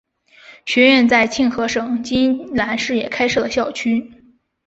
学院在庆和省金兰市也开设了校区。